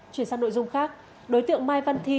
chuyển sang nội dung khác đối tượng mai văn thi